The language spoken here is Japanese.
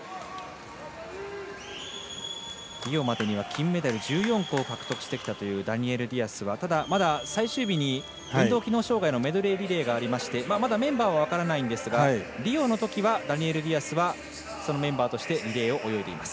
リオまでには金メダル１４個を獲得してきたダニエル・ディアスは最終日に運動機能障がいのメドレーリレーがありましてメンバーはまだ分からないんですがリオのときはダニエル・ディアスはそのメンバーとしてリレーを泳いでいます。